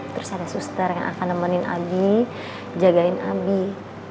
terus ada suster yang akan nemenin abie jagain abie